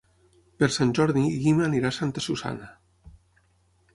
Per Sant Jordi en Guim irà a Santa Susanna.